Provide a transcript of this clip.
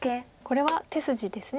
これは手筋です。